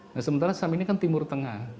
nah sementara sam ini kan timur tengah